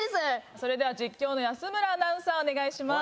それでは実況の安村アナウンサーお願いします。